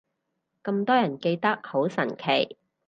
咁多人記得，好神奇